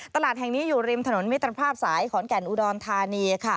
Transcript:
ตลาดแห่งนี้อยู่ริมถนนมิตรภาพสายขอนแก่นอุดรธานีค่ะ